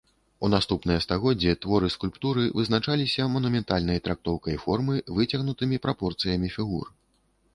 У наступныя стагоддзі творы скульптуры вызначаліся манументальнай трактоўкай формы, выцягнутымі прапорцыямі фігур.